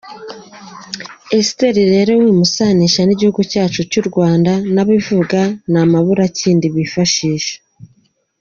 Esiteri rero wimusanisha n'igihe cyacu cy'u Rwanda, n'ababivuga ni amaburakindi bifashisha.